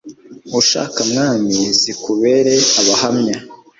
ushaka, mwami, zikubere abahamya